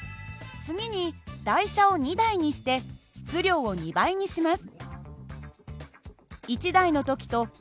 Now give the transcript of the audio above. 更に台車を３台にして質量を３倍にします。